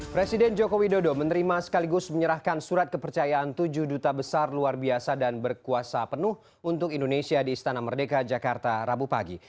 presiden joko widodo menerima sekaligus menyerahkan surat kepercayaan tujuh duta besar luar biasa dan berkuasa penuh untuk indonesia di istana merdeka jakarta rabu pagi